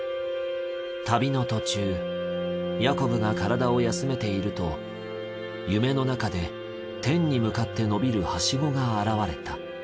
旅の途中ヤコブが体を休めていると夢の中で天に向かって伸びる梯子が現れた。